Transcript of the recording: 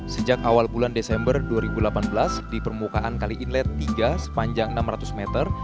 sejak awal bulan desember dua ribu delapan belas di permukaan kali inlet tiga sepanjang enam ratus meter